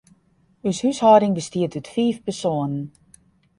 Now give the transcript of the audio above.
Us húshâlding bestiet út fiif persoanen.